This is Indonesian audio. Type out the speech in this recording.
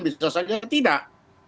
bisa saja tidak